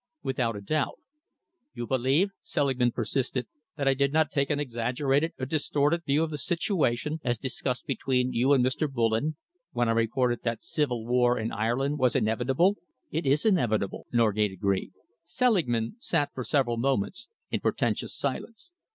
"Without a doubt." "You believe," Selingman persisted, "that I did not take an exaggerated or distorted view of the situation, as discussed between you and Mr. Bullen, when I reported that civil war in Ireland was inevitable?" "It is inevitable," Norgate agreed. Selingman sat for several moments in portentous silence.